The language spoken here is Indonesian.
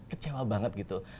kecewa banget gitu